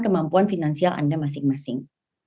kemampuan finansial anda masing masing